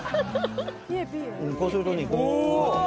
こうするとねこう。